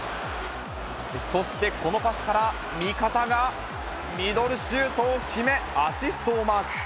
そしてこのパスから、味方がミドルシュートを決め、アシストをマーク。